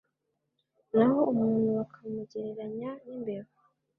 naho umuntu bakamugereranya n'imbeba